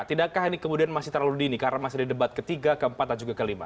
tidakkah ini kemudian masih terlalu dini karena masih di debat ketiga keempat dan juga kelima